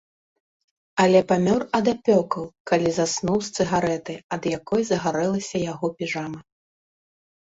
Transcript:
Але памёр ад апёкаў, калі заснуў з цыгарэтай, ад якой загарэлася яго піжама.